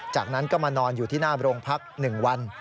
จากนั้นก็มานอนอยู่ที่หน้าโรงพัก๑วัน